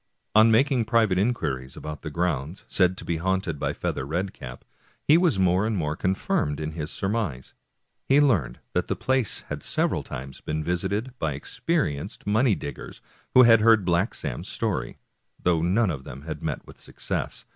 On making private inquiries about the grounds said to be haunted by Feather Red cap, he was more and more confirmed in his surmise. He learned that the place had several times been visited by experienced money dig gers who had heard Black Sam's story, though none of them had met with success.